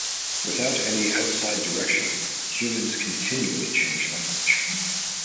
Without any outside direction, humans continually change language.